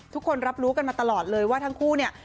ทุกคนรับรู้กันมาตลอดเลยว่าทั้งคู่เนี่ย